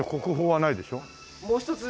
もう１つ。